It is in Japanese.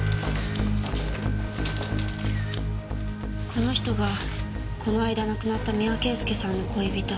この人がこの間亡くなった三輪圭祐さんの恋人。